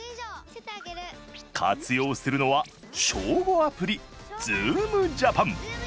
活用するのは小５アプリズームジャパン。